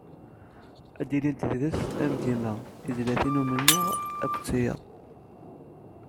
Ad ilint deg-s, am dima, tezlatin n umennuɣ, akked tiyaḍ.